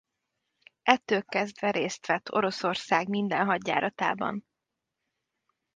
Ettől kezdve részt vett Oroszország minden hadjáratában.